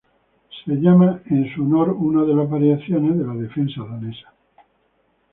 Una de las variaciones de la defensa danesa es llamada en su honor.